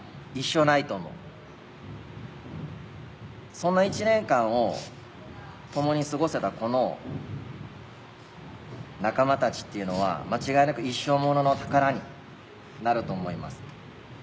そんな１年間を共に過ごせたこの仲間たちっていうのは間違いなく一生ものの宝になると思います。